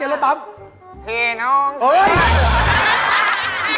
เอาอีกทีนะจุดนี้